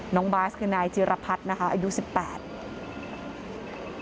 น้องบาสคือนายจิรพัฒน์นะคะอายุสิบแปด